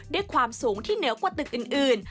ด้วยความสูงที่เหนือกว่าตึกอื่น